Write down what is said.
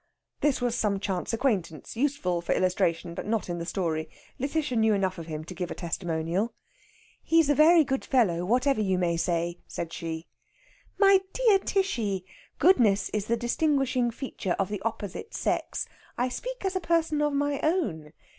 This was some chance acquaintance, useful for illustration, but not in the story. Lætitia knew enough of him to give a testimonial. "He's a very good fellow, whatever you may say!" said she. "My dear Tishy! Goodness is the distinguishing feature of the opposite sex. I speak as a person of my own.